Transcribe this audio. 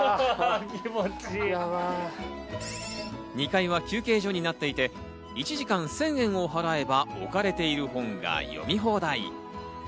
２階は休憩所になっていて、１時間１０００円を払えば、置かれている本が読み放題。